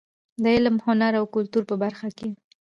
د علم، هنر او کلتور په برخه کې.